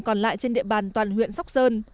còn lại trên địa bàn toàn huyện sóc sơn